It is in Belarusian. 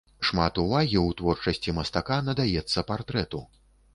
Шмат увагі ў творчасці мастака надаецца партрэту.